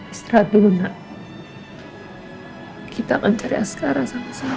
istirahat dulu nak kita akan cari askara sama sama